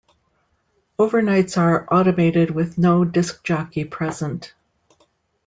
Overnights are automated with no disc jockey present.